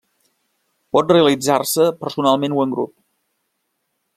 Pot realitzar-se personalment o en grup.